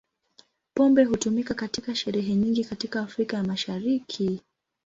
Pombe hutumika katika sherehe nyingi katika Afrika ya Mashariki.